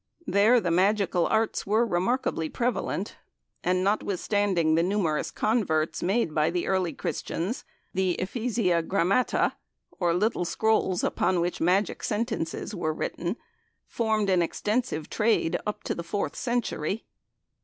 There the magical arts were remarkably prevalent, and notwithstanding the numerous converts made by the early Christians, the , or little scrolls upon which magic sentences were written, formed an extensive trade up to the fourth century.